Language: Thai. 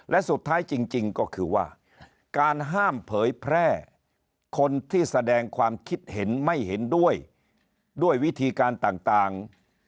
และสุดท้ายจริงก็คือว่าการห้ามเผยแพร่คนที่แสดงความคิดเห็นไม่เห็นด้วยด้วยวิธีการต่าง